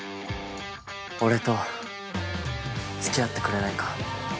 ◆俺と、つきあってくれないか？